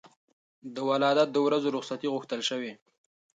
د ولادت د ورځو رخصتي غوښتل شوې.